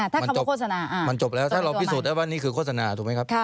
ถ้าคำโฆษณามันจบแล้วถ้าเราพิสูจน์ได้ว่านี่คือโฆษณาถูกไหมครับ